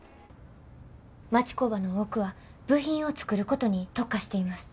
町工場の多くは部品を作ることに特化しています。